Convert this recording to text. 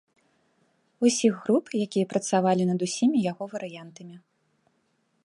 Усіх груп, якія працавалі над усімі яго варыянтамі.